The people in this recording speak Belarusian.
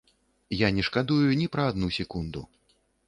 Я не шкадую ні пра адну секунду.